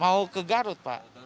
mau ke garut pak